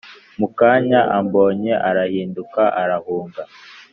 mu kanya ambonye, arahinduka, arahunga.